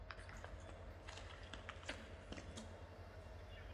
Musíme samozřejmě počkat na výsledek vyšetřování.